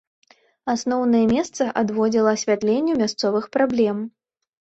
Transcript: Асноўнае месца адводзіла асвятленню мясцовых праблем.